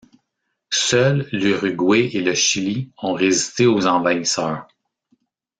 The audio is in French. Seuls l’Uruguay et le Chili ont résisté aux envahisseurs.